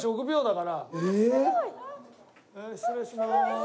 失礼しまーす。